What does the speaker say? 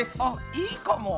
いいかも！